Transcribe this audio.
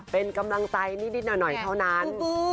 เป็นกำลังใจนิดหน่อยเท่านั้น